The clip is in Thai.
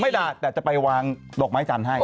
ด่าแต่จะไปวางดอกไม้จันทร์ให้